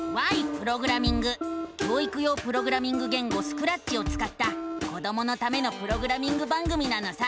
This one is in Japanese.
教育用プログラミング言語「スクラッチ」をつかった子どものためのプログラミング番組なのさ！